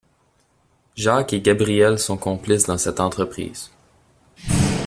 Jacques et Gabriel sont complices dans cette entreprise.